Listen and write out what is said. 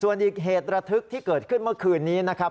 ส่วนอีกเหตุระทึกที่เกิดขึ้นเมื่อคืนนี้นะครับ